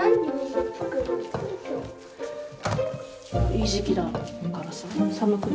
いい時期だからさ寒く